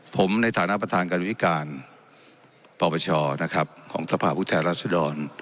ผมในฐานะประธานการวิการปปชนะครับของสภาพผู้แทนรัศดร